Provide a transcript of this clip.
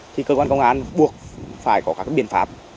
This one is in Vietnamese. thì cơ quan công an buộc phải có các biện pháp